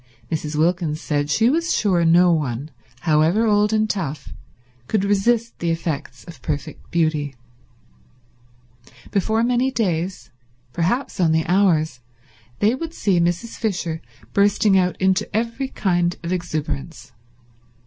Mrs. Wilkins said she was sure no one, however old and tough, could resist the effects of perfect beauty. Before many days, perhaps only hours, they would see Mrs. Fisher bursting out into every kind of exuberance.